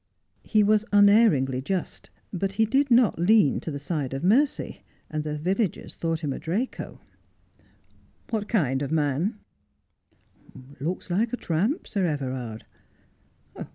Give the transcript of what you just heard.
He was unerringly just, but he did not lean to the side of mercy, and the villagers thought him a Draco. ' What kind of a man V 1 Looks like a tramp, Sir Everard